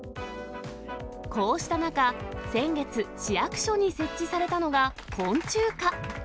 こうした中、先月、市役所に設置されたのが昆虫課。